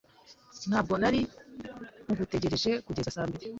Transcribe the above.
Ntabwo nari ngutegereje kugeza saa bibiri.